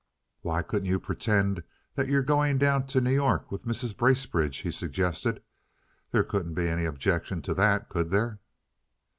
"Why couldn't you pretend that you are going down to New York with Mrs. Bracebridge?" he suggested. "There couldn't be any objection to that, could there?"